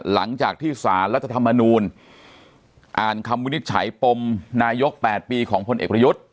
หลังจากที่สารรัฐธรรมนูลอ่านคำวินิจฉัยปมนายก๘ปีของพลเอกประยุทธ์